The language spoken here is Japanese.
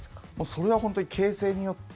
それは本当に形勢によって。